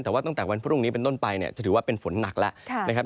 แต่ว่าตั้งแต่วันพรุ่งนี้เป็นต้นไปเนี่ยจะถือว่าเป็นฝนหนักแล้วนะครับ